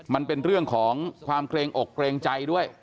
มันเป็นเรื่องของความเกรงอกเกรงใจด้วย